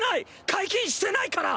解禁してないから！